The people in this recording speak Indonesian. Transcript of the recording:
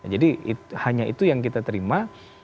jadi hanya itu yang kita terima